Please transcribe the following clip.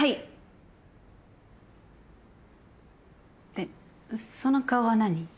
ってその顔は何？